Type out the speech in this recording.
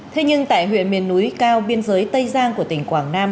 thế nhưng tại huyện miền núi cao biên giới tây giang của tỉnh quảng nam